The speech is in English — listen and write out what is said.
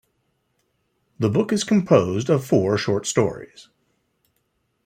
The book is composed of four short stories.